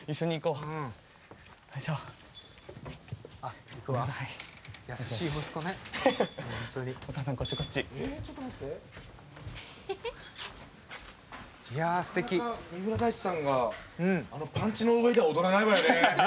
なかなか三浦大知さんがあのパンチの上では踊らないわよね！